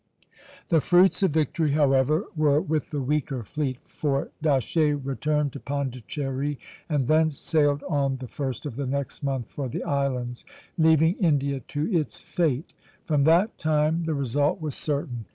The fruits of victory, however, were with the weaker fleet; for D'Aché returned to Pondicherry and thence sailed on the 1st of the next month for the islands, leaving India to its fate. From that time the result was certain.